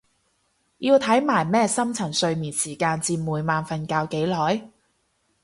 要睇埋咩深層睡眠時間佔每晚瞓覺幾耐？